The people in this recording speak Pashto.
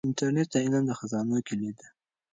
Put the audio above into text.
انټرنیټ د علم د خزانو کلي ده.